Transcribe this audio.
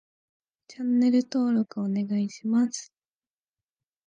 チャンネル登録お願いします